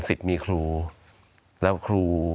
สวัสดีครับทุกคน